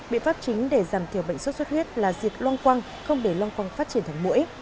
biện pháp chính để giảm thiểu bệnh sốt xuất huyết là diệt loang quăng không để loang quang phát triển thành mũi